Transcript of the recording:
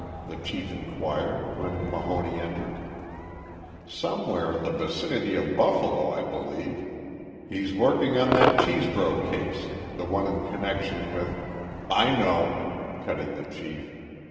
the chief inquired when Mahoney entered. "Somewhere in the vicinity of Buffalo, I believe. He's working on that Chesbro case, the one in connection with " "I know," cut in the chief.